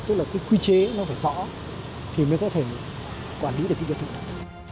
tức là cái quy chế nó phải rõ thì mới có thể quản lý được cái biệt thự này